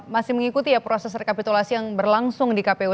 masih mengikuti ya proses rekapitulasi yang berlangsung di kpu